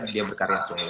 dia berkarya solo